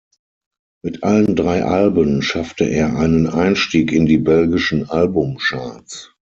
Mit allen drei Alben schaffte er einen Einstieg in die belgischen Album-Charts.